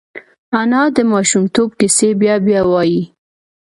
انا د ماشومتوب کیسې بیا بیا وايي